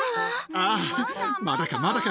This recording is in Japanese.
ああ、まだか、まだか？